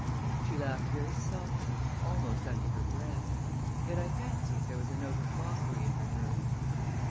She laughed very softly almost under her breath; yet I fancied there was a note of mockery in her mirth.